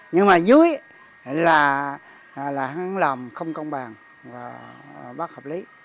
nhưng mà dưới là hắn làm không công bằng và bất hợp lý